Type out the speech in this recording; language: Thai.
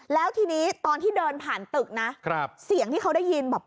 แล้วทีนี้ตอนที่เดินผ่านตึกนะเสียงที่เขาได้ยินแบบ